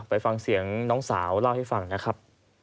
ไปฟังเสียงน้องสาวเล่าให้ฟังนะครับ